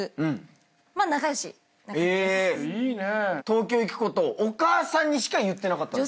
東京行くことをお母さんにしか言ってなかった？